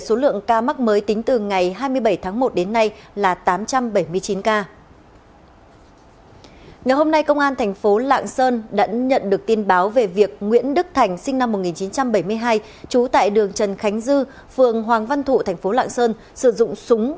xin chào các bạn